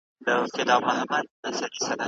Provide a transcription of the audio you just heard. که انلاین منابع موجود وي، معلومات کم نه وي.